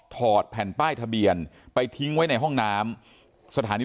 ถอดแผ่นป้ายทะเบียนไปทิ้งไว้ในห้องน้ำสถานี